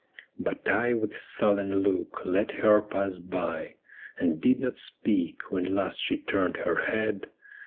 But I with sullen look let her pass by. And did not speak when last she turned her head.